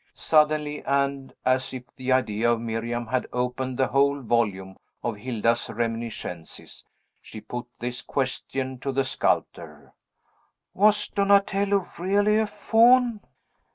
Suddenly, and as if the idea of Miriam had opened the whole volume of Hilda's reminiscences, she put this question to the sculptor: "Was Donatello really a Faun?"